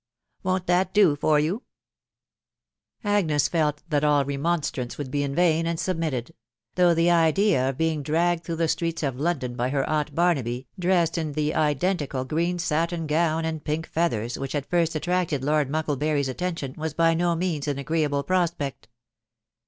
Wo'n't that do for you ?" Agnes felt that all remonstrance would be in vain, and sub mitted ; though the idea of being dragged through the streets of London by her aunt Barnaby, dressed in the identical green satin gown and pink feathers which had first at* %% 94& TUB WIDOW BABNABT. tracted Lord Mucklebury's attention, was) by no agreeable prospect.